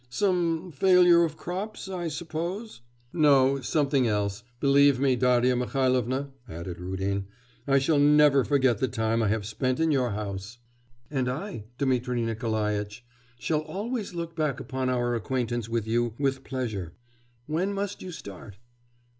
'Some failure of crops, I suppose?' 'No; something else. Believe me, Darya Mihailovna,' added Rudin, 'I shall never forget the time I have spent in your house.' 'And I, Dmitri Nikolaitch, shall always look back upon our acquaintance with you with pleasure. When must you start?